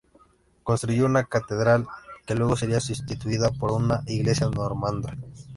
Construyó una catedral que luego sería sustituida por una iglesia normanda.